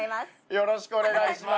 よろしくお願いします。